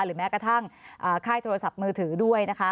แม้กระทั่งค่ายโทรศัพท์มือถือด้วยนะคะ